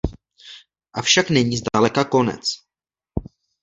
Avšak není zdaleka konec.